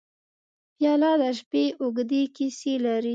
پیاله د شپې اوږدې کیسې لري.